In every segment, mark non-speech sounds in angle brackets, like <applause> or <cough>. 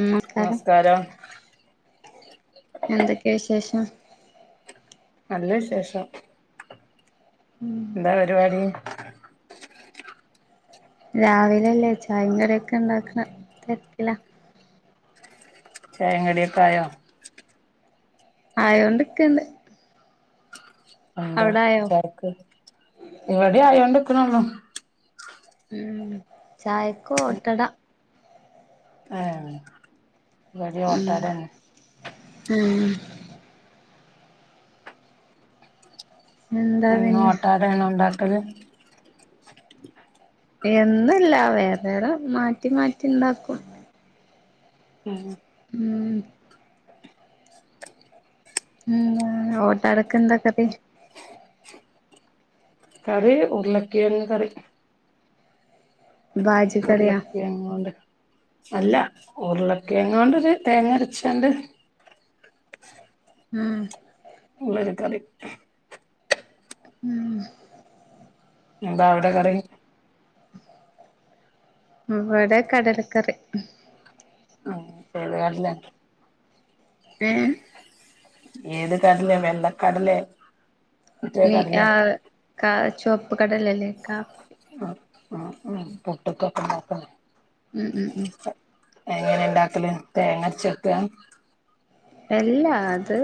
നമസ്കാരം എന്തൊക്കെ വിശേഷം? നല്ല വിശേഷം ഉം എന്താ പരിപാടി രാവിലല്ലേ ചായിം കടിയൊക്കെ ഇണ്ടാക്ക്ണെ തെരകിലാ ചായിം കടിയൊക്കായോ? ആയോണ്ട്ക്ക്ണ്ട് എന്താ ആയോ ചോറ്ക്ക് ഇവടിം ആയോണ്ട്ക്ക്ണൊള്ളൂ ഉം ചായക്കോട്ടട ഏഹ് ഇവടിം ഉം ഓട്ടടെന്നെ ഉം എന്താ എന്നും പിന്നെ ഓട്ടടേണോണ്ടാക്കല് എന്നുല്ല വേറെ വേറെ മാറ്റി മാറ്റി ഇണ്ടാക്കും ഉം ഉം ഉം ഓട്ടടെക്കന്താ കറി കറി ഉർളകിഴങ്ങ് കറി ബാജി കറിയാ ഉർളകിഴങ്ങോണ്ട് അല്ല ഉർളക്കിഴ ങ്ങോണ്ടൊര് തേങ്ങരച്ചാണ്ട് ഉം ഇള്ളൊരു കറി ഉം എന്താ അവടെ കറി ഇവടെ കടലക്കറി ഉം ഏത് കടലെ ഏഹ് ഏത് കടലെ വെള്ള കടലെ ഉം ആ കാ ചുവപ്പ് കടലല്ലേ ക്കാപ് ആഹ് ആഹ് ആഹ് പുട്ട്ക്കൊക്കെണ്ടാക്ക്ണെ ഉം ഉം ഉം എങ്ങനെ ഇണ്ടാക്കല് തേങ്ങര്ച്ചെക്കാ എല്ലാ അത്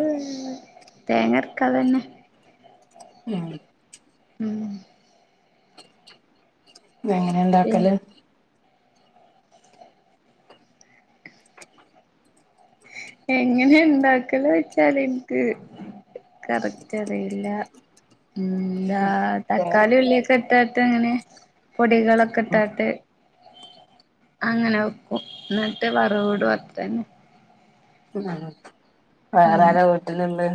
തേങ്ങര്ക്കാതെന്നെ ഉം ഉം എങ്ങനെ ഇണ്ടാക്കല് <inaudible> എങ്ങനെ ഇണ്ടാക്കലോയ്ച്ചാല് ഇൻക്ക് കറക്റ്ററിയില്ല ഉം എന്താ ഉം തക്കാളി ഉള്ളിയൊക്കെ ഇട്ടാട്ടങ്ങനെ പൊടികളൊക്കെ ഇട്ടാട്ട് അങ്ങനെ വെക്കും ന്നട്ട് വറവ്ടും അത്രെന്നെ ഉം ഉം വേറാരാ വീട്ട്ല്ള്ളത്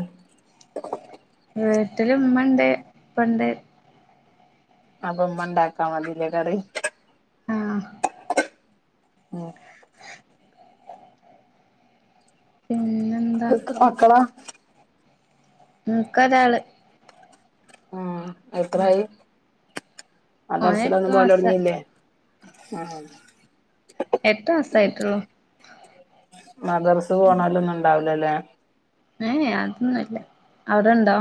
വീട്ട്ല് ഇമ്മണ്ട് ഇപ്പണ്ട് അപ്പം ഇമ്മ ഇണ്ടാക്കാ മതില്ലേ കറി ആഹ് ഉം <unintelligible> പിന്നെന്ത എത്ര മക്കളാ ഇൻക്കൊരാള് ആഹ് എത്രായി ഓന് എട്ട് മദർസിലെന്നും മാസ പോവലൊടങ്ങില്ലേ ആഹ് എട്ട് മാസായിട്ടൊള്ളൂ മദർസ് പോണല്ലൊന്നും ഇണ്ടാവൂലല്ലേ എ ഏ അതൊന്നുല്ല അവിടെണ്ടോ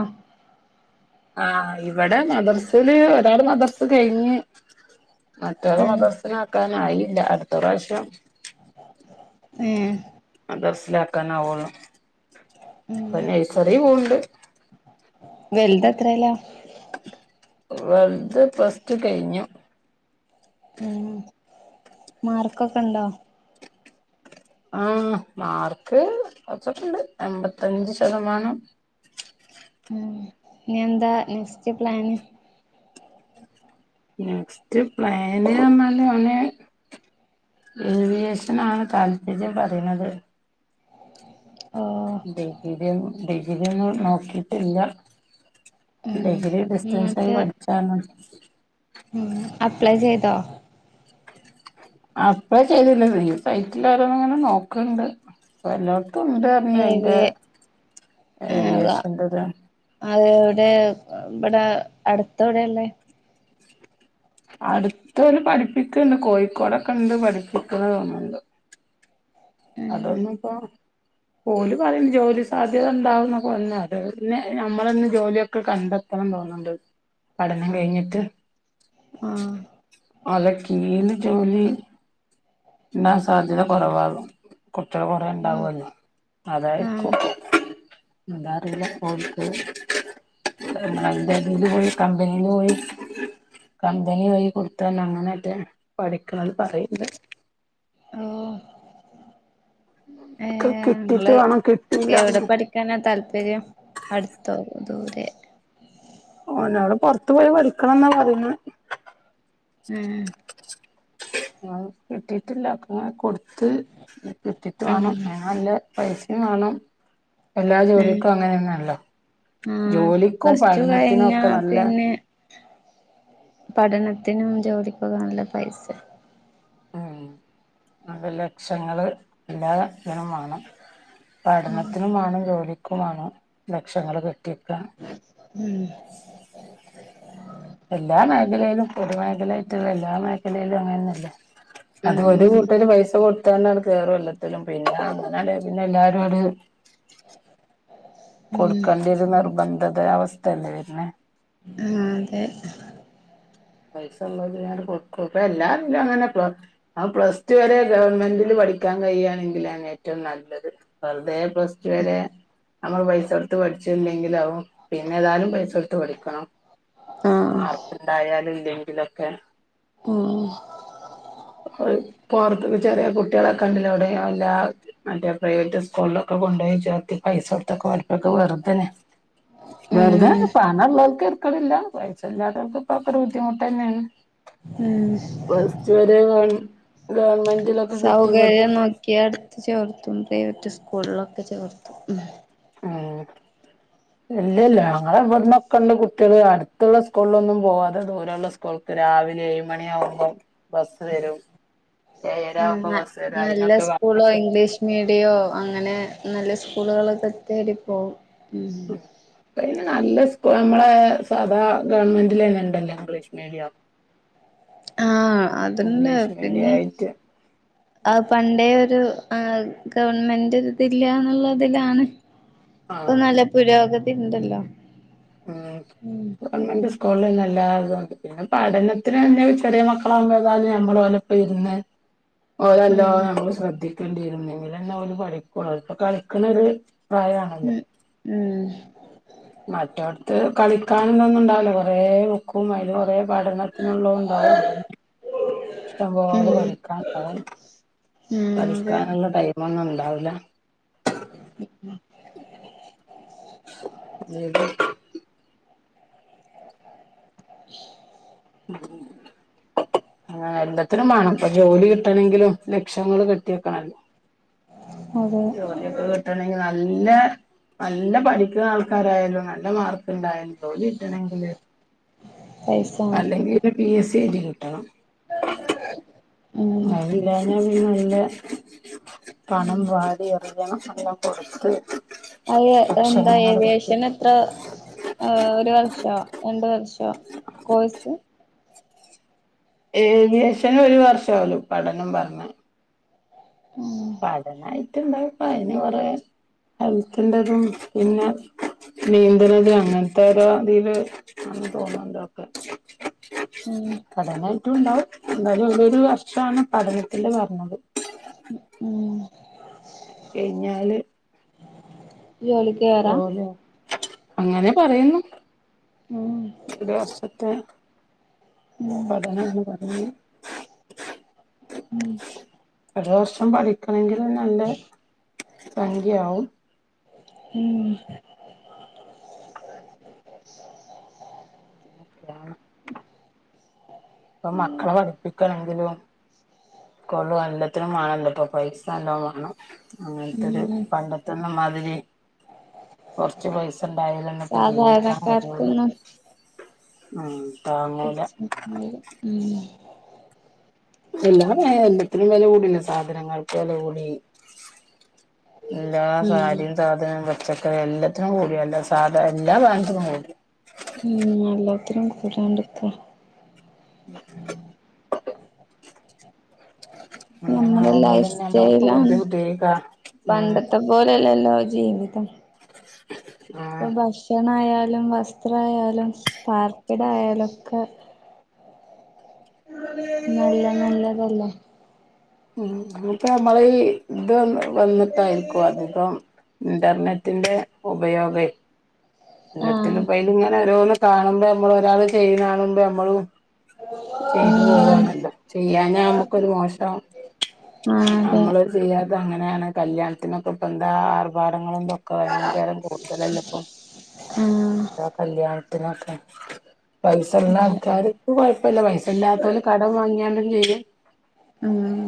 ആഹ് ഇവിടെ മദർസില് ഒരാള് മദർസ് കഴിഞ്ഞ് മറ്റോള് ഉം മദർസ് നാക്കാനായില്ല അട്ത്ത പ്രാശ്യം ഏഹ് മതർസിലാക്കാനവെള്ളൂ. ഉം പ്പ നൈസറീ പോവ്ണ്ട്. വെൽതെത്രേലാ.? വൽത് പ്ലസ്റ്റു കഴിഞ്ഞു. ഉം, മാർക്കൊക്കെ ണ്ടോ.? ആഹ് മാർക്ക് കെർച്ചൊക്കെണ്ട്. എമ്പത്തഞ്ച് ശെതമാനം. ഉം, നി എന്താ, നെക്സ്റ്റ് പ്ലാന്. നെക്സ്റ്റ് പ്ലാന് ന്നർഞാല് ഓന്. ഏവിയേഷെനാണ് താൽപര്യം പറിണത്. ഓഹ് ഡിഗ്രിം, ഡിഗ്രിയെന്നും നോക്കീട്ടില്ല. ഉം ഡഗ്രി ഡിസ്റ്റൻസായി എന്നിട്ട് പഠിച്ചാൽ മതി. ഉം, അപ്ലൈ ചെയ്തോ.? അപ്ലേ ചെയ്തില്ല. സൈറ്റിൽ ഓരോന്ന് ങ്ങനെ നോക്ക്ണ്ട്. പ്പ എല്ലേട്ത്ത്ണ്ട് ർഞ്. ന്ന് ഏത് അയിന്റെ ഏഹ് ഏവിയേഷെൻ്റെതാ. അത് എവിടെ, വടെ അട്ത്തേടെള്ളത്. അട്ത്തൊര് പഠിപ്പിക്ക്ണ്ട്. കോഴിക്കോടൊക്കെ ണ്ട് പഠിപ്പിക്ക്ണ് തോന്ന്ണ്ട്. ഉം അതെന്ന് പ്പോ. ഓല് പറയുന്നു ജോലി സാധ്യത ഉണ്ടാവു ന്നെക്കെ. പിന്നെ ഞമ്മളെന്നെ ജോലിയൊക്കെ കണ്ടെ തോന്നുന്നു ണ്ട്. പഠനം കഴിഞ്ഞിട്ട്. ആഹ് ഓലെ ക്കീന്ന് ജോലി. ണ്ടാവാൻ സാധ്യത കുറവാണ്. കുട്ട്യള് കുറെ ഉം ണ്ടാവല്ലോ. അതായിരിക്കും, ആഹ് എന്താ അറില. കൊട്ക്കേ. നല്ലതീന്ന് പോയി. കമ്പനീന്ന് പോയി. കമ്പനി വയി കൊടുത്ത ന്നെ അങ്ങനെറ്റെ പഠിക്ക്ണത് പറയ്ണ്ട്. ഓഹ് ഒക്കെ ഏഹ് കിട്ടിട്ട് ങ്ങള് വേണം എവിടെ കിട്ടിയില്ലാന്ന് പഠി ക്കാനാ താല്പര്യം. അടുത്തോ ദൂരെ. ഓനവടെ പെർത്ത് പോയി പടിക്കെണെന്നാ പറീണെ. ഉം ഉം ആഹ് കിട്ടീട്ടില്ല. അപ്പെ കൊട്ത്ത് കിട്ടിട്ട് ഉം വേണം. അതാ നല്ലെ.. പൈസിം വാണം. എല്ലാ ഉം ജോലിക്കും അങ്ങനെന്നല്ലോ. ആഹ് ജോലിക്കും പ്ലസ് ടു പഠനത്തിനും കഴിഞ്ഞാ ഒക്കെ നല്ല. പിന്നെ പഠനത്തിനും ജോലികെക്കെ നല്ല പൈസെ. ഉം നല്ല ലക്ഷങ്ങള് എല്ലാ തിനും വാണം. പഠനത്തിനു വാണം, ജോലിക്കും വാണം, ലക്ഷങ്ങള് കെട്ടി ക്കാ. ഉം. എല്ലാ മേഖലയിലും പൊതു മേഖലായിട്ട്ള്ള എല്ലാ മേഖലയിലും അങ്ങനെന്നെല്ലെ. അത് ഒരു ഉം വര് പൈസ കൊടുത്താണ്ട് കെറും എല്ലത്തിലും. പിന്നെ അങ്ങനാണ്ട് പിന്നെ എല്ലാരും ഒര് ഉം കൊടുക്കേണ്ടിയ ഒരു നിർബന്ധത അവസ്ഥ യെല്ലെ വരുന്നെ. ആഹ്, അതെ. പൈസള്ളേര് വെആണ്ട് കൊടുക്കും. ഇപ്പ എല്ലാരുല്ലാ അങ്ങനെ പ്പ. ആഹ് പ്ലസ് ടു വരെ ഗവൺമെന്റില് പഠിക്കാൻ കഴിയാണെങ്കിലാണ് ഏറ്റവും നല്ലത്. വെറുതെ പ്ലസ് റ്റുവരെ നമ്മള് പൈസടുത്ത് പഠിച്ചില്ലെങ്കില് അഉം. പിന്നെ ഏതാലും പൈസട്ത്ത് പടിക്കെണം. ആഹ് മാർക്ക് ണ്ടായാലും ഇല്ലെങ്കിലൊക്കെ. ഉം ഉം പുറത്തന്ന് ചെറിയ കുട്ടികളെ കണ്ടില്ലേ. അവിടെ എല്ലാ മറ്റേ പ്രൈവറ്റ് സ്കൂൾലൊക്കെ കൊണ്ടോയി ചേർത്തി പൈസ കൊടുത്തൊക്കെ പഠിപ്പൊക്കെ വെറുതെനെ. ഉം വെറുതെനല്ലാ പണം ഉള്ളോൽക്ക് തര്ക്കെടില്ലാ പൈസല്ലാത്തോൽക്ക് ഇപ്പോ അതൊക്കൊരു ബു ദ്ധിമുട്ടന്നേണ്. ഉം. പ്ലസ്റ്റ് ടു വരെ ഗവൺ ഗവൺമെന്റ്ലൊക്കെ കിട്ടി പഠ് <unintelligible> എടുത്ത് ചേർത്തുമ്പേ <unintelligible> സ്കൂളിലൊക്കെ ചേർത്തും. ആഹ്. ഇല്ല ല്ല്യാ. ഞങ്ങളെ ഇവട്ന്നൊക്കെള്ള കുട്ടിയേള് അടുത്തുള്ള സ്കൂളിലൊന്നും പോവാതെ ദൂരള്ള സ് കൂൾക്ക് രാവിലെ ഏഴ് മണി ആകുമ്പം ബസ്സ് വരും. ആഹ് ഏയരാവുമ്പോ ന ബസ്സ് വരും നല്ല അയിനൊക്കെ സ്കൂളോ <unintelligible> ഇംഗ്ലീഷ് മീഡിയോ അങ്ങനെ നല്ല സ്കൂളുകളൊക്ക തേടി പോവും ഉം. ഇപ്പയ്ന് നല്ല സ്കൂ നമ്മളെ സാദാ ഗവൺമെന്റിലെന്നെ ഇണ്ടല്ലോ ഇംഗ്ലീഷ് മീഡിയം. ആഹ് അത്ണ്ട് ഇംഗ്ലീഷ് മീഡിയം പിന്നെ ആയിട്ട് അത് പണ്ടേ ഒരു ആഹ് ഗവൺമെന്റ് ഒര്തില്ല്യാന്ന്ള്ളെ ഇതിലാണ്. ഇപ്പം ആഹ് നല്ല പുരോഗതി ഇണ്ടല്ലോ. ഉം ഗവൺമെന്റ് സ്കൂളിലെന്നെ എല്ലാതൂണ്ട്. പിന്നെ പഠനത്തിനെന്നെ ചെറിയ മക്കളാകുമ്പം ഏതാലും ഞമ്മള് ഓലപ്പം ഇരുന്ന്. ഓലെ നല്ലോ ഉം ഞമ്മള് ശ്രദ്ധിക്കേണ്ടിവരും. എന്നെങ്കിലേ ഓല് പഠിക്കോള്ളു ഓല് ഇപ്പ കളിക്ക്ണൊര് പ്രായാണല്ലോ. ഉം. മറ്റോട്ത്ത് കളിക്കാന് എന്നൊന്നും ഉണ്ടാവൂലാ കൊറേ ബുക്കും അതില് കൊറെ പഠനത്തിനുള്ളതും ഇണ്ടാവും അങ്ങനെ ഉം ഇഷ്ടംപോലെ ഉം പഠിക്കാൻ <unintelligible> ഉം അതെ പഠിക്കാനുള്ള ടൈമൊന്നും ഉണ്ടാവൂല. <unintelligible> <unintelligible> <unintelligible> ഉം <unintelligible> ആഹ് എല്ലത്തിനും മാണം ഇപ്പം ജോലി കിട്ടണങ്കിലും ലക്ഷങ്ങള് കെട്ടി വെക്കണല്ലോ. അതെ ജോലിയൊക്കെ കിട്ടണെങ്കി നല്ല നല്ല പഠിക്ക്ണ ആൾക്കാരായാലും നല്ല മാർക്ക് ണ്ടായാലും ജോലി കിട്ടണെങ്കില് പൈസ് അല്ലെങ്കി പിന്നെ പി എസ് സി എഴുതി കിട്ടണം. ആ <unintelligible> അതില്ലാഞ്ഞാ പിന്നേ നല്ലെ പണം വാരി എറി യണം നല്ലോം കൊട്ത്ത് അത് എന്താ ഏവിയേഷന് ഇത്ര ഏഹ് ഒരു വർഷോ രണ്ട് വർഷോ കോഴ്സ്? ഏവിയേഷന് ഒരു വർഷാ ഓല് പഠനം പറ്ഞ്ഞെ. ഉം. പഠനായിട്ട് ഇണ്ടാവും ഇപ്പൊ അയ്ന് കൊറെ. ഹെൽത്തിന്റെതും പിന്നെ നീന്ത്ണതും അങ്ങനത്തെ ഓരോ ഇതില് ആന്ന് തോന്ന്ണ്ട് ഒക്കെ. ഉം. പഠനായിട്ടും ഇണ്ടാവും. എന്തായാലും ഓലൊരു വർഷാണ് പഠനത്തില് പറഞ്ഞത്. ഉം അത് കഴിഞ്ഞാല് ജോലിക്ക് കേറാ പോവലാ അങ്ങനെ പറയുന്നു ഉം രണ്ട് വർഷത്തെ ഉം പഠനംന്ന് പറഞ്ഞു ഉം ഒരു വർഷം പഠിക്കണെങ്കിൽ നല്ല സംഖ്യയാവും ഉം <unintelligible> ഇപ്പൊ മക്കളെ പഠിപ്പിക്കാണെങ്കിലും കൊള്ളും എല്ലാത്തിനും വേണല്ലോ ഇപ്പൊ പൈസ നല്ലോം വേണം അങ്ങനത്തെൊരു ഉം പണ്ടത്തൊന്നും മാതിരി കൊറച്ച് പൈസ ഇണ്ടായലെന്ന ഇപ്പ ജീവിക്കാൻ കഴിയൊള്ളൂ സാധാരണക്കാർക്കൊന്നും ആഹ് തീർച്ചയായും ഉം എല്ലാ എല്ലത്തിനും വില കൂടിയല്ലോ സാധനങ്ങൾക്ക് വില കൂടി എല്ലാ ഉം സാരിയും സാധനം പച്ച എല്ലത്തിനും കൂടിയല്ലോ സാധ എല്ലാ സാധനത്തിനും കൂടി ഉം എല്ലാത്തിനും കൂടാണ്ട്ക്ക <unintelligible> ആണോ നമ്മുടെ ലൈഫ് നമ്മൾ ഇപ്പൊ സ്റ്റൈലാണ് ബുദ്ധിമുട്ടേനി പോല അല്ലല്ലോ ജീവിതം ആഹ് ഭക്ഷണായാലും വസ്ത്രായാലും പാർപ്പിടായാലും ഒക്കെ നല്ല നല്ലതല്ലെ ഇനി ഇപ്പൊ നമ്മള് ഇത്‌ വന്നിട്ടായിരിക്കും അധികം ഇൻറർനെറ്റിറെ ഉപയോഗെ എല്ലത്തിലും ആഹ് ഇപ്പൊ അയില് ഇങ്ങനെ ഓരോന്ന് കാണുമ്പോ നമ്മള് ഒരാള് ചെയ്യ്ണ കാണുമ്പോ നമ്മളും ചെയ്തു ഉം പോവവാണല്ലോ ചെയ്യാഞ്ഞാ നമ്മുക്കൊരു മോശാണ് ആഹ് അതെ നമ്മള് ചെയ്യാത്ത അങ്ങനെയാണ് കല്യാണത്തിനൊക്കെ ഇപ്പ എന്താ ആർഭാടങ്ങളും ഭയങ്കരം കൂടുതലല്ലെ ഇപ്പം ആഹ എന്താ കല്യാണത്തിനൊക്കെ പൈസ ഇള്ള അതെ ആൾക്കാര് കുഴപ്പില്ല പൈസ ഇല്ലാത്തോല് കടം വാങ്ങിങ്ങാണ്ടും ചെയ്യും ആഹ്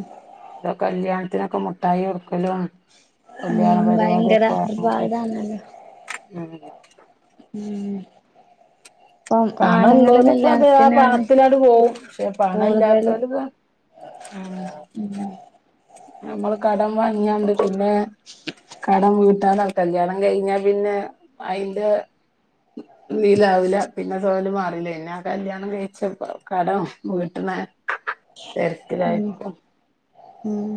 ഇതൊ കല്യാണത്തിനൊക്കെ മുട്ടായി കൊടുക്കലും കല്യാണ ഉം പരിപാടി ഭയങ്കര ഒക്കെ ആർഭാടാണല്ലോ ഉം ഇപ്പം പണം ആണുങ്ങള് ഇള്ളോല് ഇപ്പ അത് ആ കല്യാണത്തിനാണ് പണത്തിലണ്ട് പോവും പക്ഷെ പണ കൂടുതല് ഇല്ലാത്തോല് ഇത് ആഹ പിന്നെ ഞമ്മള് കടം വാങ്ങിയാണ്ട് പിന്നെ കടം വീട്ടാലോ കല്യാണം കഴിഞ്ഞാ പിന്നെ അയിന്റെ നീലാവൂല പിന്നെ സോല് മാറിലെ പിന്നെ ആ കല്യാണം കഴിച്ച കടം വീട്ട്ണ ഉം തെരക്കിലായിരിക്കും ഉം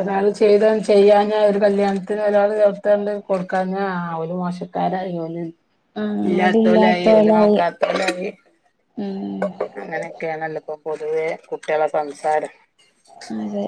ഒരാള് ചെയ്ത ചെയ്യാഞ്ഞാ ഒര് കല്യാണത്തിന് ഒരാള് ചേർത്തണ്ട് കൊടുക്കാഞ്ഞാ ആഹ് ഒരു മോശം കരയോല് ആഹ് ഇല്ലാത്തോലായി ഓല് അതില്ലാത്തോലായി നോക്കാ ഉം അങ്ങനെയൊക്കെയാണല്ലൊപ്പ പൊതുവേ കുട്ടിയള സംസാരം അതെ